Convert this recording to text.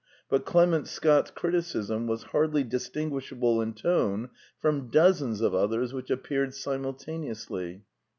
But Clement Scott's criticism was hardly distinguishable in tone from dozens of others which appeared simultan eously.